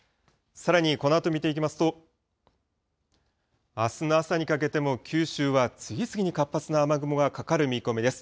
さらにこのあと見ていきますと、あすの朝にかけても九州は次々に活発な雨雲がかかる見込みです。